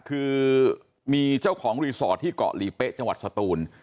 คือมีเจ้าของรีสอร์ทที่เกาะลีเป๊ะจังหวัดสตูน